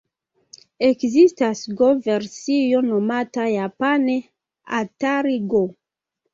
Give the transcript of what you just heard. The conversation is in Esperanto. Ekzistas go-versio nomata japane 'Atari-go'.